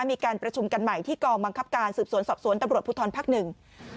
มีการประชุมกันใหม่ที่กองบังคับการสืบสวนสอบสวนตำรวจภูทรภักดิ์หนึ่ง